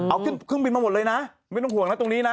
เอาขึ้นเครื่องบินมาหมดเลยนะไม่ต้องห่วงนะตรงนี้นะ